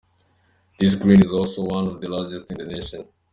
This green is also one of the largest in the nation.